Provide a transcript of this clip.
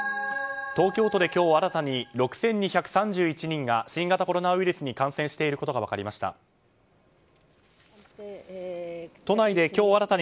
東京都で今日新たに６２３１人が新型コロナウイルスに感染していることが分かりました。